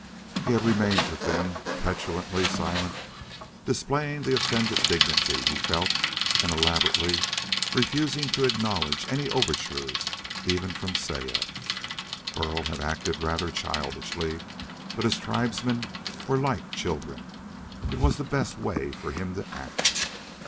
He had remained with them, petulantly silent, displaying the offended dignity he felt and elaborately refusing to acknowledge any overtures, even from Saya. Burl had acted rather childishly. But his tribesmen were like children. It was the best way for him to act.